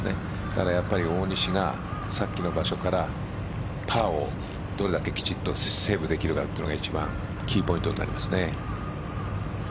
だから大西がさっきの場所からパーをどれだけきちんとセーブできるかが一番のキーポイントになりますね。